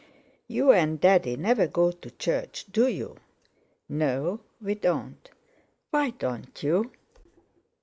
You and Daddy never go to church, do you?" "No, we don't." "Why don't you?"